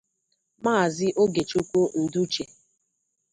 Maazị Ogechukwu Ndụche